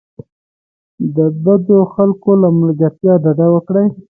د بدو خلکو له ملګرتیا ډډه وکړئ.